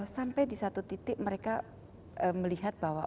sampai di satu titik mereka melihat bahwa